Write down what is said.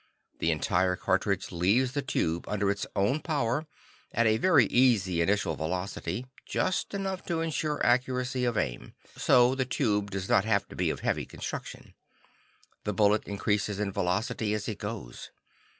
The entire cartridge leaves the tube under its own power, at a very easy initial velocity, just enough to insure accuracy of aim; so the tube does not have to be of heavy construction. The bullet increases in velocity as it goes.